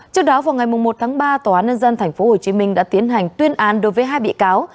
trước đó vào ngày một tháng ba tòa án nhân dân tp hcm đã tiến hành tuyên án đối với hai bị cáo